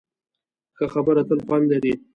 ښه خبره تل خوند لري.